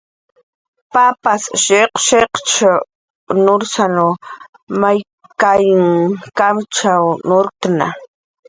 Papas shiq'shiq' nursanw may kayn kamacht'isn imurktna.